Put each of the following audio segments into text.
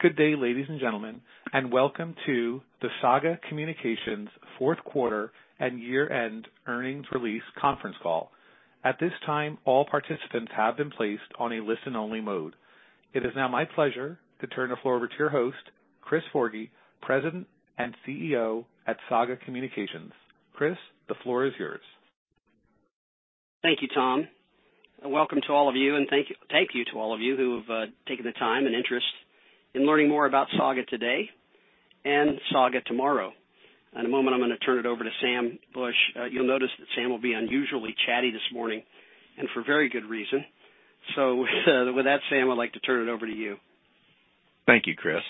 Good day, ladies and gentlemen, welcome to the Saga Communications fourth quarter and year-end earnings release conference call. At this time, all participants have been placed on a listen-only mode. It is now my pleasure to turn the floor over to your host, Chris Forgy, President and CEO at Saga Communications. Chris, the floor is yours. Thank you, Tom. Welcome to all of you and thank you to all of you who have taken the time and interest in learning more about Saga today and Saga tomorrow. In a moment, I'm gonna turn it over to Sam Bush. You'll notice that Sam will be unusually chatty this morning, and for very good reason. With that, Sam, I'd like to turn it over to you. Thank you, Chris.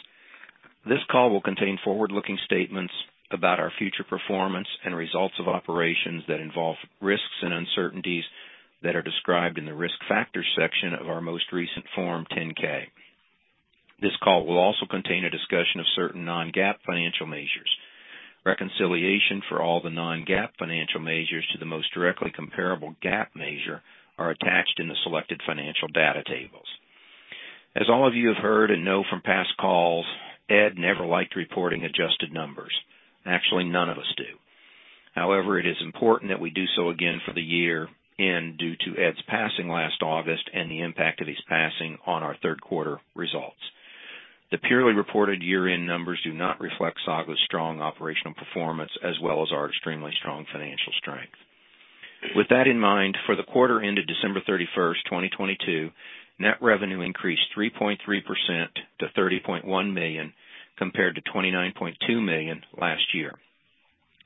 This call will contain forward-looking statements about our future performance and results of operations that involve risks and uncertainties that are described in the Risk Factors section of our most recent Form 10-K. This call will also contain a discussion of certain non-GAAP financial measures. Reconciliation for all the non-GAAP financial measures to the most directly comparable GAAP measure are attached in the selected financial data tables. As all of you have heard and know from past calls, Ed never liked reporting adjusted numbers. Actually, none of us do. It is important that we do so again for the year-end, due to Ed's passing last August and the impact of his passing on our third quarter results. The purely reported year-end numbers do not reflect Saga's strong operational performance as well as our extremely strong financial strength. With that in mind, for the quarter ended December 31st, 2022, net revenue increased 3.3% to $30.1 million, compared to $29.2 million last year.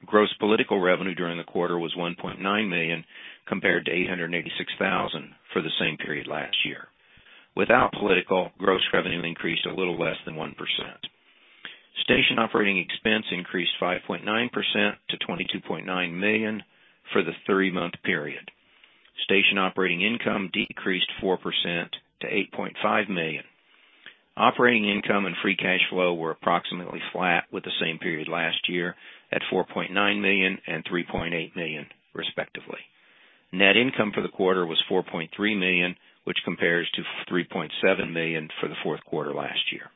Gross political revenue during the quarter was $1.9 million, compared to $886,000 for the same period last year. Without political, gross revenue increased a little less than 1%. Station operating expense increased 5.9% to $22.9 million for the three-month period. Station operating income decreased 4% to $8.5 million. Operating income and free cash flow were approximately flat with the same period last year, at $4.9 million and $3.8 million, respectively. Net income for the quarter was $4.3 million, which compares to $3.7 million for the fourth quarter last year.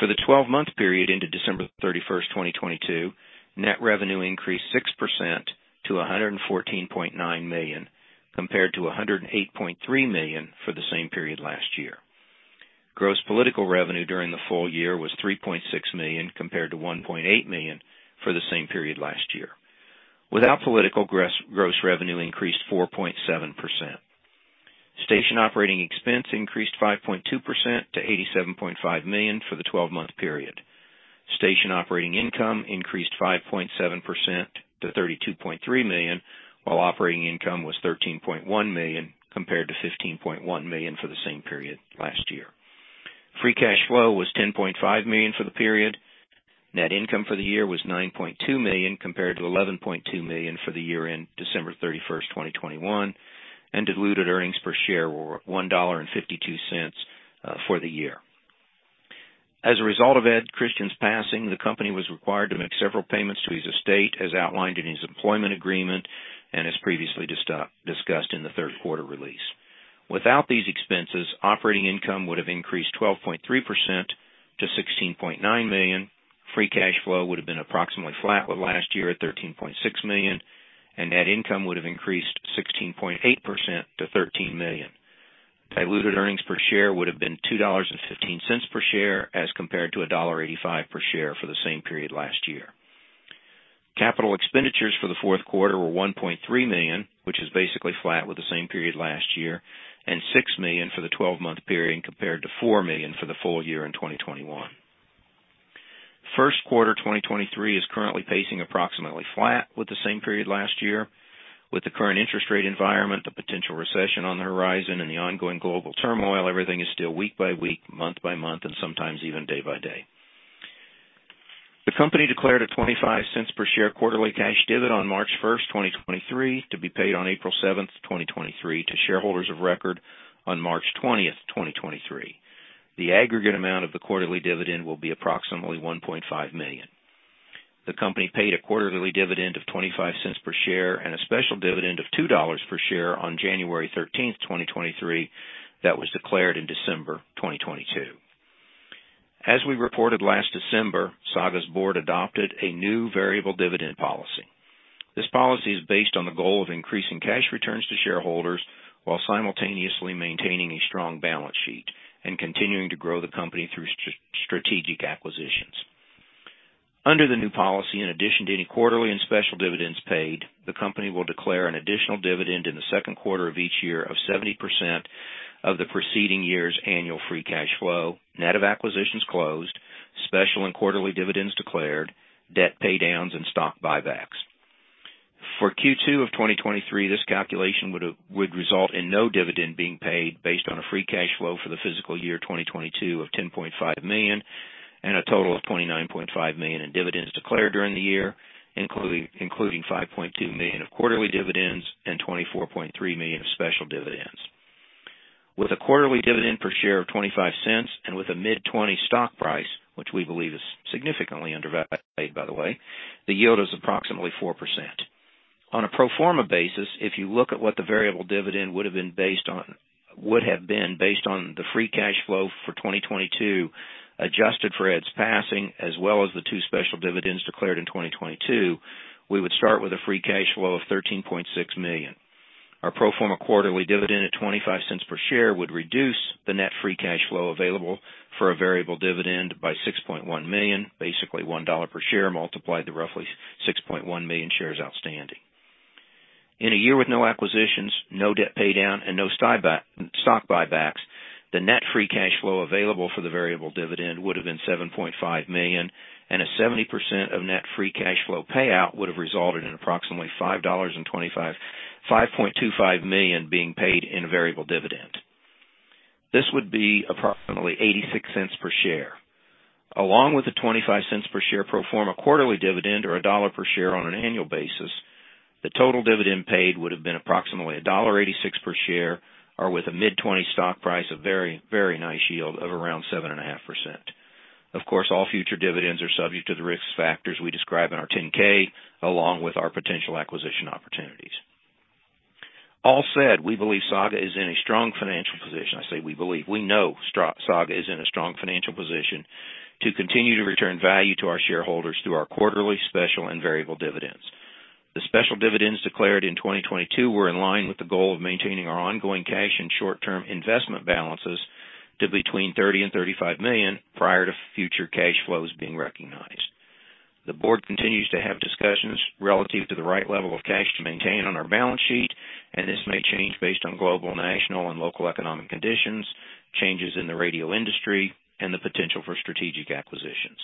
For the 12-month period into December 31st, 2022, net revenue increased 6% to $114.9 million, compared to $108.3 million for the same period last year. Gross political revenue during the full year was $3.6 million, compared to $1.8 million for the same period last year. Without political gross revenue increased 4.7%. Station operating expense increased 5.2% to $87.5 million for the 12-month period. Station operating income increased 5.7% to $32.3 million, while operating income was $13.1 million, compared to $15.1 million for the same period last year. Free cash flow was $10.5 million for the period. Net income for the year was $9.2 million compared to $11.2 million for the year end December 31st, 2021. Diluted earnings per share were $1.52 for the year. As a result of Ed Christian's passing, the company was required to make several payments to his estate, as outlined in his employment agreement and as previously discussed in the third quarter release. Without these expenses, operating income would have increased 12.3% to $16.9 million. Free cash flow would have been approximately flat with last year at $13.6 million. Net income would have increased 16.8% to $13 million. Diluted earnings per share would have been $2.15 per share as compared to $1.85 per share for the same period last year. Capital expenditures for the fourth quarter were $1.3 million, which is basically flat with the same period last year, and $6 million for the twelve-month period compared to $4 million for the full year in 2021. First quarter, 2023 is currently pacing approximately flat with the same period last year. With the current interest rate environment, the potential recession on the horizon and the ongoing global turmoil, everything is still week by week, month by month, and sometimes even day by day. The company declared a $0.25 per share quarterly cash dividend on March 1st, 2023, to be paid on April 7th, 2023 to shareholders of record on March 20th, 2023. The aggregate amount of the quarterly dividend will be approximately $1.5 million. The company paid a quarterly dividend of $0.25 per share and a special dividend of $2 per share on January 13th, 2023, that was declared in December 2022. As we reported last December, Saga's board adopted a new variable dividend policy. This policy is based on the goal of increasing cash returns to shareholders while simultaneously maintaining a strong balance sheet and continuing to grow the company through strategic acquisitions. Under the new policy, in addition to any quarterly and special dividends paid, the company will declare an additional dividend in the second quarter of each year of 70% of the preceding year's annual free cash flow, net of acquisitions closed, special and quarterly dividends declared, debt pay downs and stock buybacks. For Q2 of 2023, this calculation would result in no dividend being paid based on a free cash flow for the fiscal year 2022 of $10.5 million and a total of $29.5 million in dividends declared during the year, including $5.2 million of quarterly dividends and $24.3 million of special dividends. With a quarterly dividend per share of $0.25, and with a mid-20 stock price, which we believe is significantly undervalued by the way, the yield is approximately 4%. On a pro forma basis, if you look at what the variable dividend would have been based on the free cash flow for 2022, adjusted for Ed's passing, as well as the two special dividends declared in 2022, we would start with a free cash flow of $13.6 million. Our pro forma quarterly dividend at $0.25 per share would reduce the net free cash flow available for a variable dividend by $6.1 million, basically $1 per share multiplied to roughly 6.1 million shares outstanding. In a year with no acquisitions, no debt pay down, and no stock buybacks, the net free cash flow available for the variable dividend would have been $7.5 million, and a 70% of net free cash flow payout would have resulted in approximately $5.25 million being paid in a variable dividend. This would be approximately $0.86 per share. Along with the $0.25 per share pro forma quarterly dividend or $1 per share on an annual basis, the total dividend paid would have been approximately $1.86 per share, or with a mid-$20s stock price, a very, very nice yield of around 7.5%. Of course, all future dividends are subject to the risk factors we describe in our 10-K, along with our potential acquisition opportunities. All said, we believe Saga is in a strong financial position. I say we believe. We know Saga is in a strong financial position to continue to return value to our shareholders through our quarterly special and variable dividends. The special dividends declared in 2022 were in line with the goal of maintaining our ongoing cash and short-term investment balances to between $30 million and $35 million prior to future cash flows being recognized. The board continues to have discussions relative to the right level of cash to maintain on our balance sheet. This may change based on global, national, and local economic conditions, changes in the radio industry, and the potential for strategic acquisitions.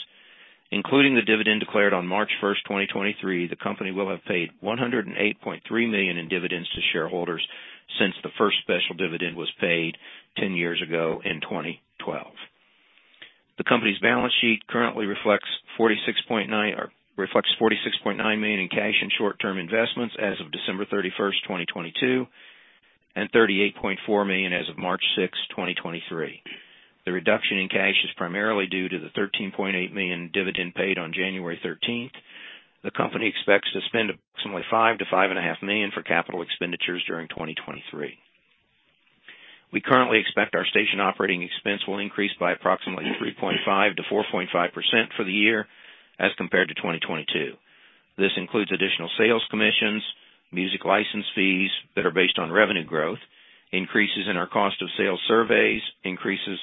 Including the dividend declared on March 1st, 2023, the company will have paid $108.3 million in dividends to shareholders since the first special dividend was paid 10 years ago in 2012. The company's balance sheet currently reflects $46.9 million in cash and short-term investments as of December 31st, 2022, and $38.4 million as of March 6th, 2023. The reduction in cash is primarily due to the $13.8 million dividend paid on January 13th. The company expects to spend approximately $5 million-$5.5 million for capital expenditures during 2023. We currently expect our station operating expense will increase by approximately 3.5%-4.5% for the year as compared to 2022. This includes additional sales commissions, music license fees that are based on revenue growth, increases in our cost of sales surveys, increases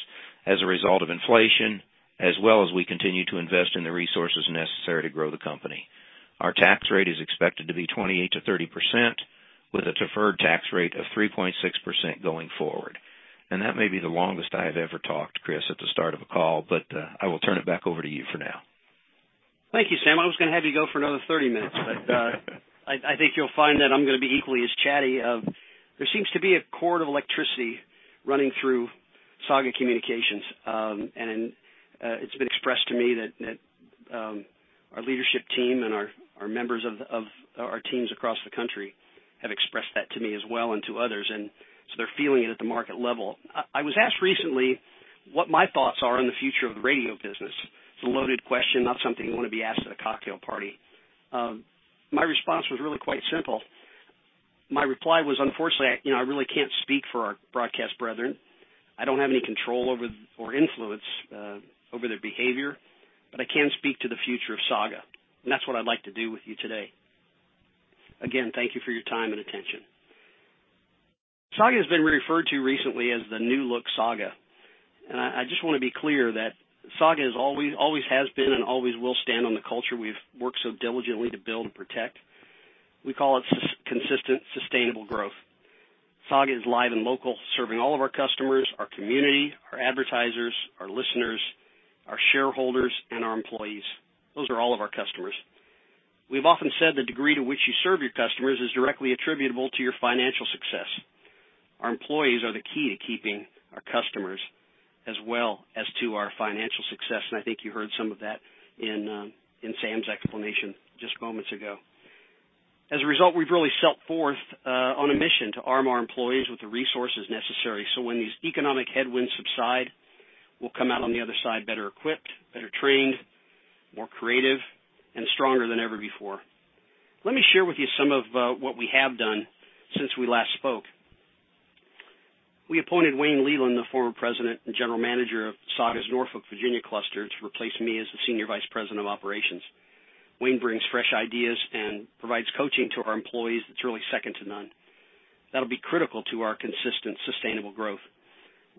as a result of inflation, as well as we continue to invest in the resources necessary to grow the company. Our tax rate is expected to be 28%-30%, with a deferred tax rate of 3.6% going forward. That may be the longest I have ever talked, Chris, at the start of a call, but I will turn it back over to you for now. Thank you, Sam. I was gonna have you go for another 30 minutes. I think you'll find that I'm gonna be equally as chatty. There seems to be a cord of electricity running through Saga Communications. It's been expressed to me that our leadership team and our members of our teams across the country have expressed that to me as well and to others, they're feeling it at the market level. I was asked recently what my thoughts are on the future of the radio business. It's a loaded question, not something you wanna be asked at a cocktail party. My response was really quite simple. My reply was, unfortunately, I, you know, I really can't speak for our broadcast brethren. I don't have any control over or influence over their behavior, but I can speak to the future of Saga, and that's what I'd like to do with you today. Again, thank you for your time and attention. Saga has been referred to recently as the new-look Saga. I just wanna be clear that Saga is always has been and always will stand on the culture we've worked so diligently to build and protect. We call it consistent, sustainable growth. Saga is live and local, serving all of our customers, our community, our advertisers, our listeners, our shareholders, and our employees. Those are all of our customers. We've often said the degree to which you serve your customers is directly attributable to your financial success. Our employees are the key to keeping our customers as well as to our financial success, and I think you heard some of that in Sam's explanation just moments ago. As a result, we've really set forth on a mission to arm our employees with the resources necessary, so when these economic headwinds subside, we'll come out on the other side better equipped, better trained, more creative, and stronger than ever before. Let me share with you some of what we have done since we last spoke. We appointed Wayne Leland, the former President and General Manager of Saga's Norfolk, Virginia, cluster, to replace me as the Senior Vice President of Operations. Wayne brings fresh ideas and provides coaching to our employees that's really second to none. That'll be critical to our consistent, sustainable growth.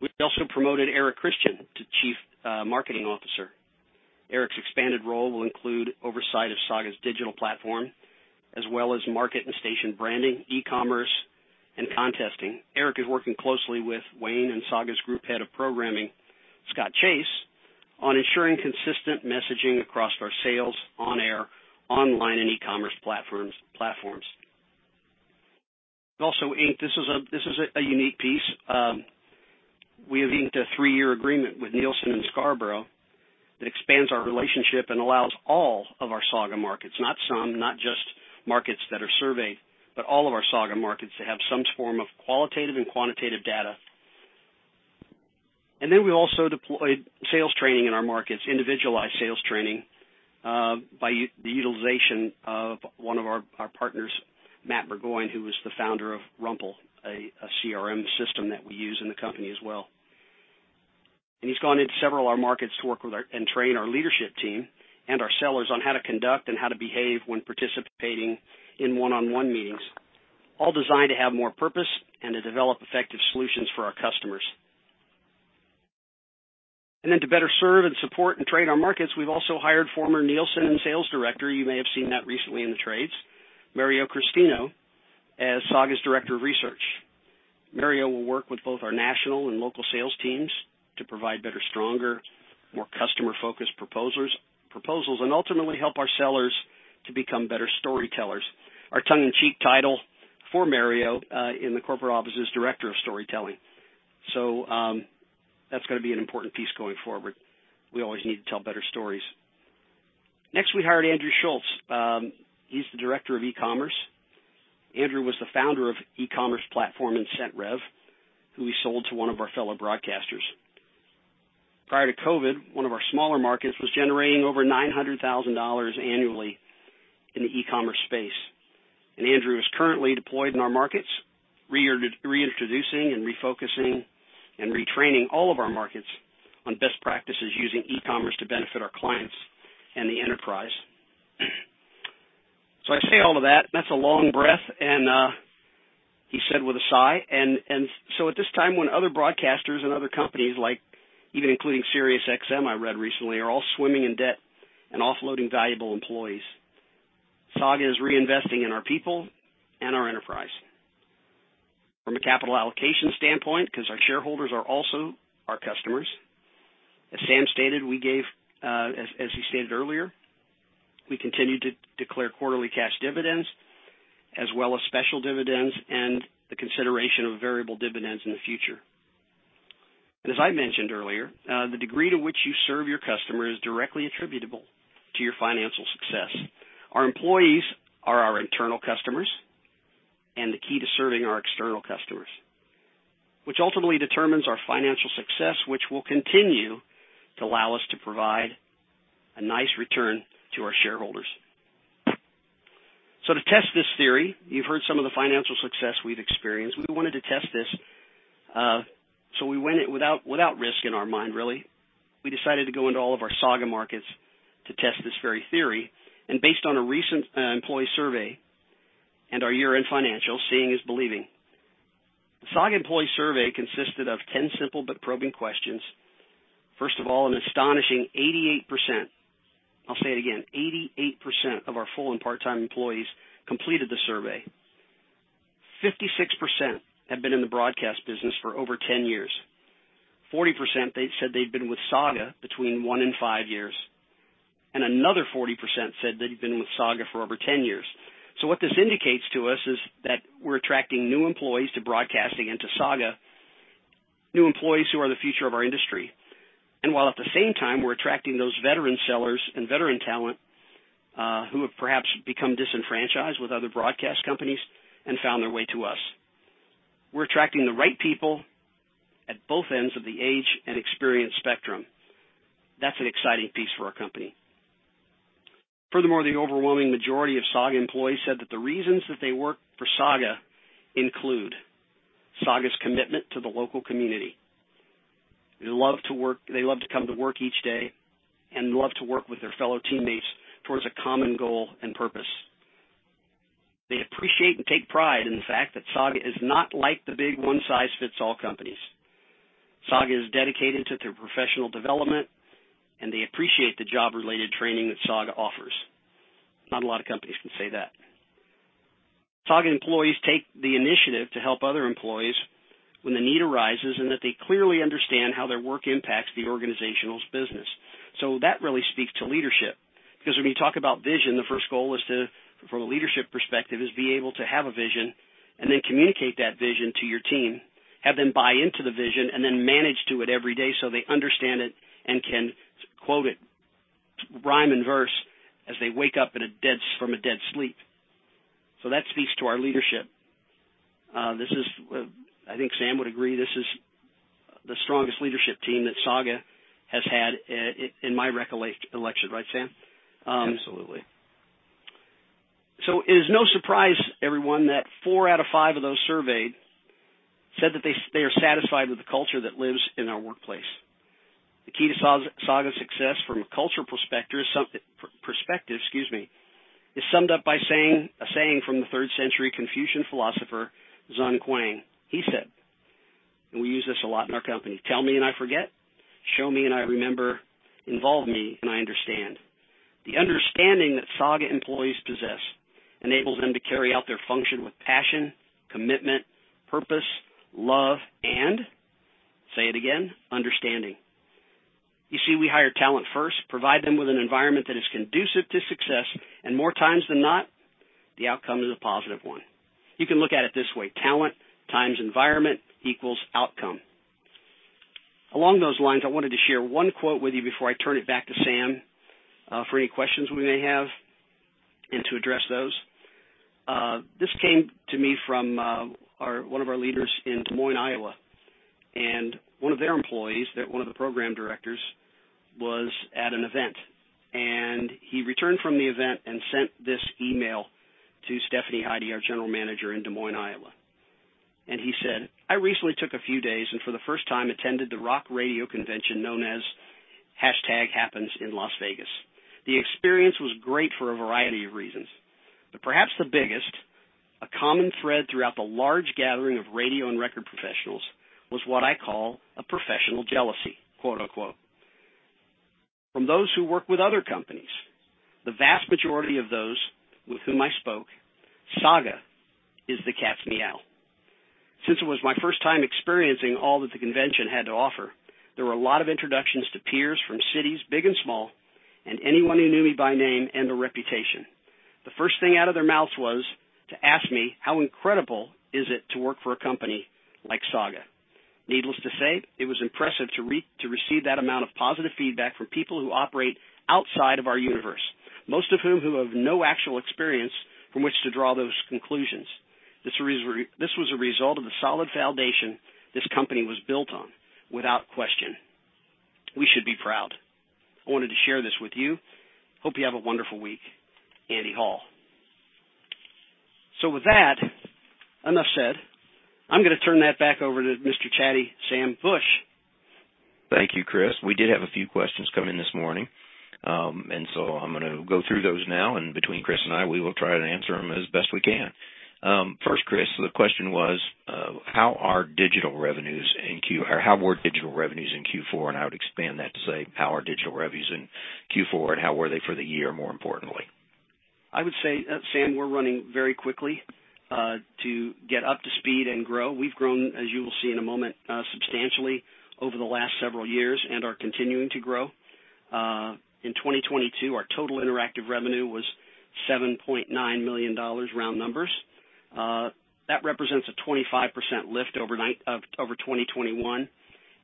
We also promoted Eric Christian to Chief Marketing Officer. Eric's expanded role will include oversight of Saga's digital platform as well as market and station branding, e-commerce, and contesting. Eric is working closely with Wayne and Saga's group head of programming, Scott Chase, on ensuring consistent messaging across our sales on air, online, and e-commerce platforms. This is a unique piece. We have inked a three-year agreement with Nielsen and Scarborough that expands our relationship and allows all of our Saga markets, not some, not just markets that are surveyed, but all of our Saga markets to have some form of qualitative and quantitative data. We also deployed sales training in our markets, individualized sales training, by the utilization of one of our partners, Matt Burgoyne, who was the Founder of Rumple, a CRM system that we use in the company as well. He's gone into several of our markets to work with and train our leadership team and our sellers on how to conduct and how to behave when participating in one-on-one meetings, all designed to have more purpose and to develop effective solutions for our customers. To better serve and support and train our markets, we've also hired former Nielsen sales director. You may have seen that recently in the trades. Mario Christino as Saga's Director of Research. Mario will work with both our national and local sales teams to provide better, stronger, more customer-focused proposals, and ultimately help our sellers to become better storytellers. Our tongue-in-cheek title for Mario in the corporate office is Director of Storytelling. That's gonna be an important piece going forward. We always need to tell better stories. Next, we hired Andrew Schulze. He's the Director of E-Commerce. Andrew was the Founder of E-commerce platform IncentRev, who we sold to one of our fellow broadcasters. Prior to COVID, one of our smaller markets was generating over $900,000 annually in the e-commerce space. Andrew is currently deployed in our markets, reintroducing and refocusing and retraining all of our markets on best practices using e-commerce to benefit our clients and the enterprise. I say all of that's a long breath, and he said with a sigh. At this time, when other broadcasters and other companies like even including SiriusXM, I read recently, are all swimming in debt and offloading valuable employees. Saga is reinvesting in our people and our enterprise. From a capital allocation standpoint, 'cause our shareholders are also our customers, as Sam stated, we gave as he stated earlier, we continue to declare quarterly cash dividends as well as special dividends and the consideration of variable dividends in the future. As I mentioned earlier, the degree to which you serve your customer is directly attributable to your financial success. Our employees are our internal customers and the key to serving our external customers, which ultimately determines our financial success, which will continue to allow us to provide a nice return to our shareholders. To test this theory, you've heard some of the financial success we've experienced. We wanted to test this, so we went without risk in our mind really. We decided to go into all of our Saga markets to test this very theory. Based on a recent employee survey and our year-end financials, seeing is believing. The Saga employee survey consisted of 10 simple but probing questions. First of all, an astonishing 88%, I'll say it again, 88% of our full and part-time employees completed the survey. 56% have been in the broadcast business for over 10 years. 40%, they said they'd been with Saga between 1 and five years, and another 40% said they'd been with Saga for over 10 years. What this indicates to us is that we're attracting new employees to broadcasting into Saga, new employees who are the future of our industry. While at the same time, we're attracting those veteran sellers and veteran talent, who have perhaps become disenfranchised with other broadcast companies and found their way to us. We're attracting the right people at both ends of the age and experience spectrum. That's an exciting piece for our company. The overwhelming majority of Saga employees said that the reasons that they work for Saga include Saga's commitment to the local community. They love to come to work each day and love to work with their fellow teammates towards a common goal and purpose. They appreciate and take pride in the fact that Saga is not like the big one-size-fits-all companies. Saga is dedicated to their professional development, and they appreciate the job-related training that Saga offers. Not a lot of companies can say that. Saga employees take the initiative to help other employees when the need arises, and that they clearly understand how their work impacts the organization's business. That really speaks to leadership, because when you talk about vision, the first goal is to, from a leadership perspective, is be able to have a vision and then communicate that vision to your team, have them buy into the vision, and then manage to it every day so they understand it and can quote it rhyme and verse as they wake up in a dead sleep. That speaks to our leadership. This is, I think Sam would agree this is the strongest leadership team that Saga has had in my recollection. Right, Sam? Absolutely. It is no surprise, everyone, that four out of five of those surveyed said that they are satisfied with the culture that lives in our workplace. The key to Saga's success from a culture perspective, excuse me, is summed up by saying, a saying from the third-century Confucian philosopher, Xun Kuang. He said, and we use this a lot in our company, "Tell me and I forget. Show me and I remember. Involve me and I understand." The understanding that Saga employees possess enables them to carry out their function with passion, commitment, purpose, love, and say it again, understanding. You see, we hire talent first, provide them with an environment that is conducive to success, and more times than not, the outcome is a positive one. You can look at it this way: Talent times environment equals outcome. Along those lines, I wanted to share one quote with you before I turn it back to Sam for any questions we may have and to address those. This came to me from one of our leaders in Des Moines, Iowa. One of their employees, one of the program directors, was at an event, and he returned from the event and sent this email to Stephanie Heide, our General Manager in Des Moines, Iowa. He said, "I recently took a few days and for the first time attended the rock radio convention known as #HAPPENS in Las Vegas. The experience was great for a variety of reasons, but perhaps the biggest, a common thread throughout the large gathering of radio and record professionals was what I call a professional jealousy, quote-unquote. From those who work with other companies, the vast majority of those with whom I spoke, Saga is the cat's meow. Since it was my first time experiencing all that the convention had to offer, there were a lot of introductions to peers from cities big and small, and anyone who knew me by name and/or reputation. The first thing out of their mouths was to ask me how incredible is it to work for a company like Saga. Needless to say, it was impressive to receive that amount of positive feedback from people who operate outside of our universe, most of whom have no actual experience from which to draw those conclusions. This was a result of the solid foundation this company was built on, without question. We should be proud. I wanted to share this with you. Hope you have a wonderful week. Andy Hall." With that, enough said. I'm gonna turn that back over to Mr. Chatty, Sam Bush. Thank you, Chris. We did have a few questions come in this morning. I'm gonna go through those now, and between Chris and I, we will try to answer them as best we can. First, Chris, the question was, how were digital revenues in Q4, and I would expand that to say how are digital revenues in Q4 and how were they for the year, more importantly? I would say, Sam Bush, we're running very quickly to get up to speed and grow. We've grown, as you will see in a moment, substantially over the last several years and are continuing to grow. In 2022, our total interactive revenue was $7.9 million, round numbers. That represents a 25% lift over 2021,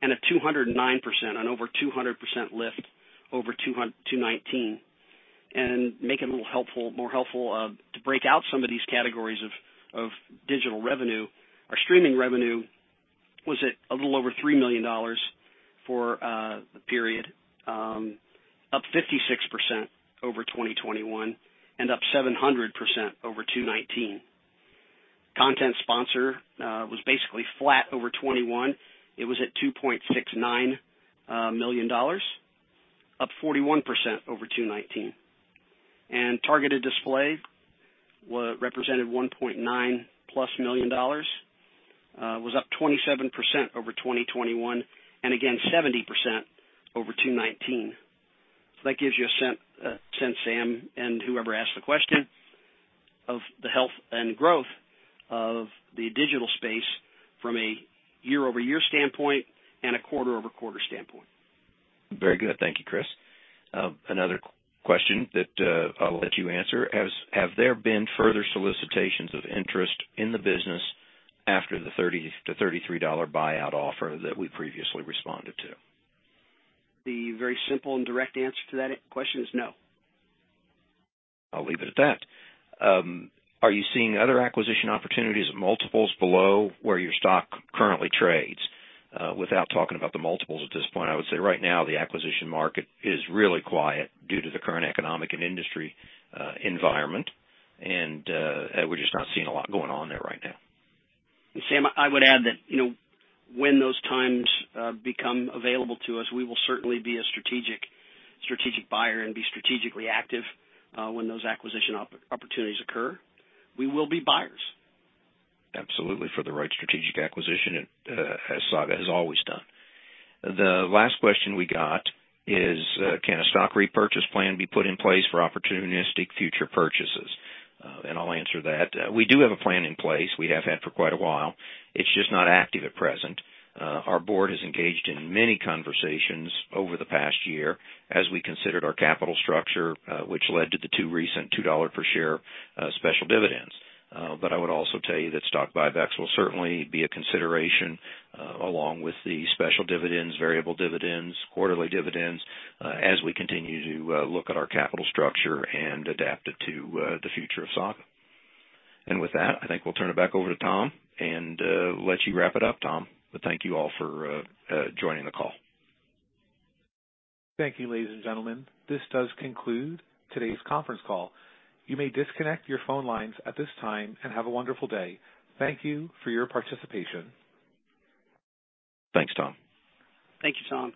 and a 209%, an over 200% lift over 2019. Make it a little more helpful to break out some of these categories of digital revenue. Our streaming revenue was at a little over $3 million for the period, up 56% over 2021 and up 700% over 2019. Content sponsor was basically flat over 2021. It was at $2.69 million, up 41% over 2019. Targeted display represented $1.9+ million, was up 27% over 2021, and again, 70% over 2019. That gives you a sense, Sam, and whoever asked the question of the health and growth of the digital space from a year-over-year standpoint and a quarter-over-quarter standpoint. Very good. Thank you, Chris. Another question that, I'll let you answer. Have there been further solicitations of interest in the business after the $30-$33 buyout offer that we previously responded to? The very simple and direct answer to that question is no. I'll leave it at that. Are you seeing other acquisition opportunities at multiples below where your stock currently trades? Without talking about the multiples at this point, I would say right now the acquisition market is really quiet due to the current economic and industry environment. We're just not seeing a lot going on there right now. Sam, I would add that, you know, when those times become available to us, we will certainly be a strategic buyer and be strategically active, when those acquisition opportunities occur. We will be buyers. Absolutely, for the right strategic acquisition, as Saga has always done. The last question we got is, can a stock repurchase plan be put in place for opportunistic future purchases? I'll answer that. We do have a plan in place. We have had for quite a while. It's just not active at present. Our board has engaged in many conversations over the past year as we considered our capital structure, which led to the two recent $2 per share special dividends. I would also tell you that stock buybacks will certainly be a consideration, along with the special dividends, variable dividends, quarterly dividends, as we continue to look at our capital structure and adapt it to the future of Saga. With that, I think we'll turn it back over to Tom and let you wrap it up, Tom. Thank you all for joining the call. Thank you, ladies and gentlemen. This does conclude today's conference call. You may disconnect your phone lines at this time and have a wonderful day. Thank you for your participation. Thanks, Tom. Thank you, Tom.